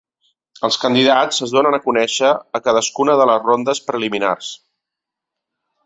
Els candidats es donen a conèixer a cadascuna de les rondes preliminars.